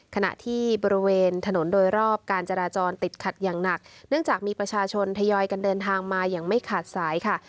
ขณะที่บริเวณถนนโดยรอบการจราจรติดขัดอย่างหนักเนื่องจากมีประชาชนทยอยกันเดินทางมาอย่างไม่ขาดสายค่ะ